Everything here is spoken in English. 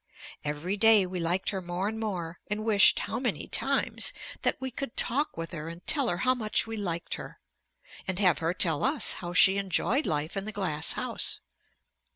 Every day we liked her more and more and wished, how many times, that we could talk with her and tell her how much we liked her, and have her tell us how she enjoyed life in the glass house.